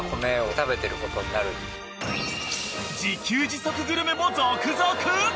自給自足グルメも続々！